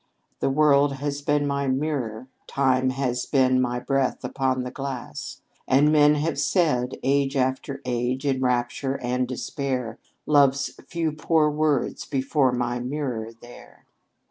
The world has been my mirror, time has been My breath upon the glass; and men have said, Age after age, in rapture and despair, Love's few poor words before my mirror there.